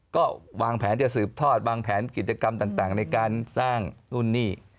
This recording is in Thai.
ก็วางแผนจะสืบทอดวางแผนกิจกรรมต่างในการสร้างนู่นนี่